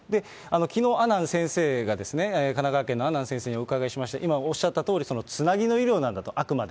きのう、阿南先生が、神奈川県の阿南先生にお伺いしまして、今、おっしゃったとおりつなぎの医療なんだと、あくまで。